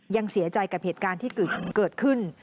ยังเสียใจกับเหตุการณ์ที่เกิดขึ้น